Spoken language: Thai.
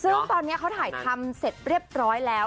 ซึ่งตอนนี้เขาถ่ายทำเสร็จเรียบร้อยแล้ว